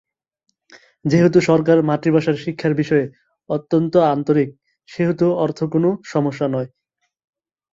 যেহেতু সরকার মাতৃভাষার শিক্ষার বিষয়ে অত্যন্ত আন্তরিক, সেহেতু অর্থ কোনো সমস্যা নয়।